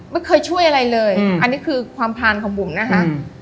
ไม่เคยช่วยอะไรเลยอันนี้คือความผ่านของบุ๋มนะคะ